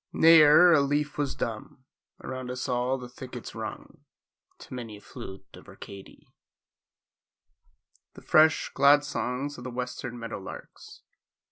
"N'er a leaf was dumb; Around us all the thickets rung To many a flute of Arcady." The fresh, glad songs of the western meadow larks!